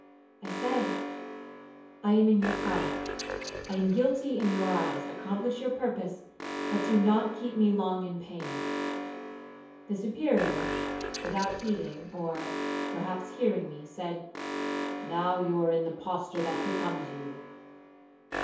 I said, 'I am in your power,—I am guilty in your eyes,—accomplish your purpose, but do not keep me long in pain.' The Superior, without heeding, or perhaps hearing me, said, 'Now you are in the posture that becomes you.'